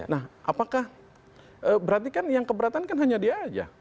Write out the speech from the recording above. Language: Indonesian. nah apakah berarti kan yang keberatan kan hanya dia saja